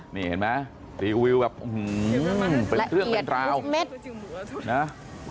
นี่เห็นไหมรีวิวแบบหื้อเป็นเกื้องเป็นราวและเอียดพุธเม็ด